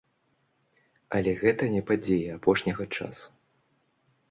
Але гэта не падзеі апошняга часу.